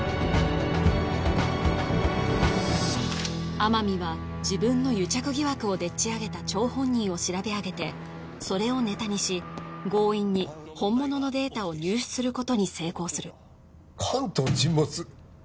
天海は自分の癒着疑惑をでっち上げた張本人を調べ上げてそれをネタにし強引に本物のデータを入手することに成功する関東沈没